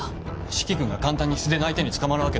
四鬼君が簡単に素手の相手に捕まるわけない。